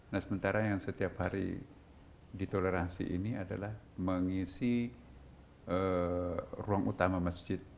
nah sementara yang setiap hari ditoleransi ini adalah mengisi ruang utama masjid